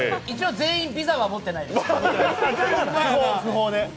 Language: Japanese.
一応、全員ビザは持ってないです。